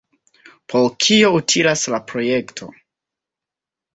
Por kio utilas la projekto?